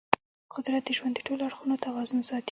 قدرت د ژوند د ټولو اړخونو توازن ساتي.